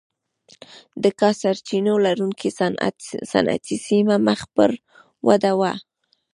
د کا سرچینو لرونکې صنعتي سیمه مخ پر وده وه.